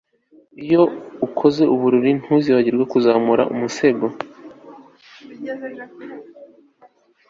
Iyo ukoze uburiri ntuzibagirwe kuzamura umusego